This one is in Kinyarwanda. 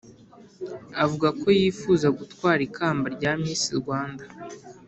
avuga ko yifuza gutwara ikamba rya miss rwanda